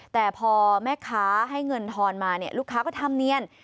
แต่พอแม่ค้าให้เงินทอนมาเนี่ยลูกค้าก็ทำเนียน